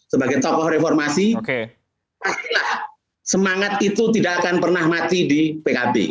sebagai tokoh reformasi pastilah semangat itu tidak akan pernah mati di pkb